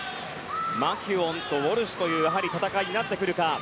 マキュオンとウォルシュという戦いになってくるか。